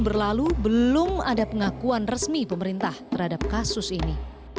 belum ada pengakuan resmi pemerintah terhadap kasus ini